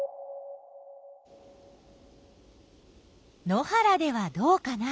野原ではどうかな。